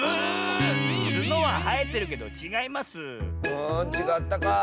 あちがったか。